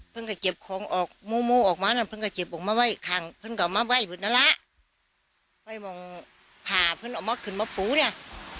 มือผมก็จีบของออกมูมูออกมานะคำต้องกระเจ็บบังไก็มองผ่าฝนออกมาขึ้นมาปูมน่ะ